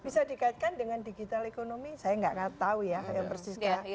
bisa dikaitkan dengan digital ekonomi saya nggak tahu ya yang persis